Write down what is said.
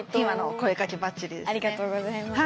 ありがとうございます。